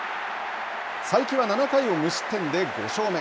才木は７回を無失点で５勝目。